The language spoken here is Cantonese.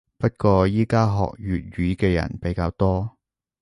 不過依家學粵語嘅人比較多